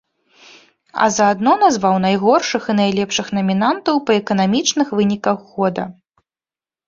А заадно назваў найгоршых і найлепшых намінантаў па эканамічных выніках года.